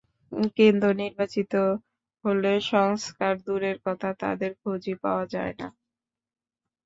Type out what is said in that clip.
কিন্তু নির্বাচিত হলে সংস্কার দূরের কথা, তাঁদের খোঁজই পাওয়া যায় না।